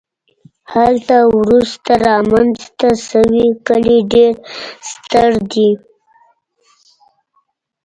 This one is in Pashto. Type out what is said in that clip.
هلته وروسته رامنځته شوي کلي ډېر ستر دي